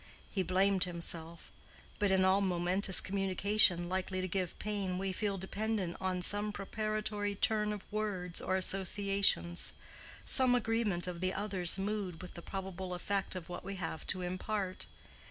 He blamed himself; but in all momentous communication likely to give pain we feel dependent on some preparatory turn of words or associations, some agreement of the other's mood with the probable effect of what we have to impart.